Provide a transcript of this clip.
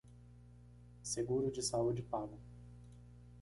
Seguro de saúde pago